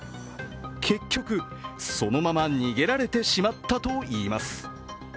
結局、そのまま逃げられてしまったといいます。